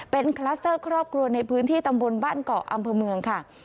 เป็นคลัสเตอร์ครอบครัวในพื้นที่ตำบลบ้านเกาะอำเภอเมืองค่ะ